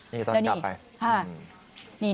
นี่ตอนกลับไป